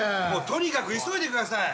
とにかく急いでください。